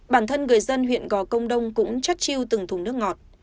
bản thân người dân huyện gò công đông cũng chất chiêu từng thùng nước ngọt